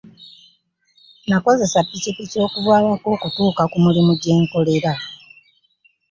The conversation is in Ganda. Nakozesa ppikipiki okuva ewaka okutuuka ku mulimu gye nkolera.